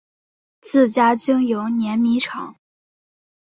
自家经营碾米厂